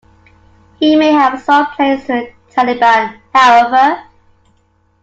He may have sold planes to the Taliban, however.